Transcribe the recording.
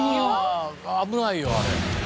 危ないよあれ。